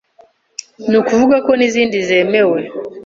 ni ukuvuga ko n’izindi zemewe